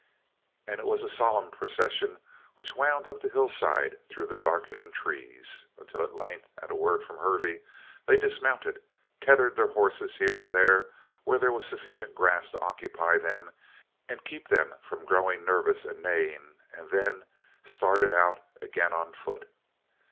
And it was a solemn procession which wound up the hillside through the darkening trees. Until at length, at a word from Hervey, they dismounted, tethered their horses here and there where there was sufficient grass to occupy them and keep them from growing nervous and neighing, and then started on again on foot.